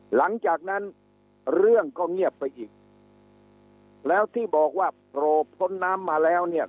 หลังจากนั้นเรื่องก็เงียบไปอีกแล้วที่บอกว่าโผล่พ้นน้ำมาแล้วเนี่ย